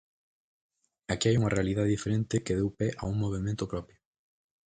Aquí hai unha realidade diferente que deu pé a un movemento propio.